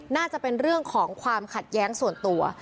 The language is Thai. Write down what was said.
น่าจะเป็นเรื่องของความขัดแย้งส่วนตัว